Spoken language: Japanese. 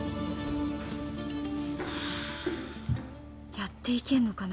やっていけんのかな？